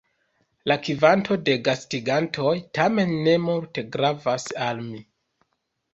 La kvanto de gastigantoj tamen ne multe gravas al mi.